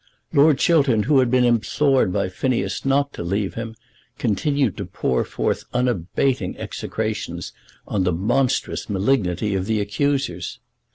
Lord Chiltern, who had been implored by Phineas not to leave him, continued to pour forth unabating execrations on the monstrous malignity of the accusers.